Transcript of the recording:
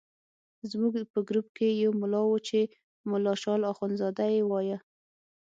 زموږ په ګروپ کې یو ملا وو چې ملا شال اخندزاده یې وایه.